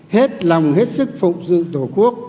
hết lòng hết sức phục dự tổ quốc